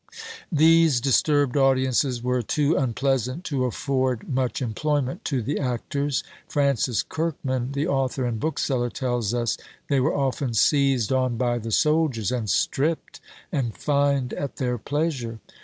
These disturbed audiences were too unpleasant to afford much employment to the actors. Francis Kirkman, the author and bookseller, tells us they were often seized on by the soldiers, and stripped and fined at their pleasure.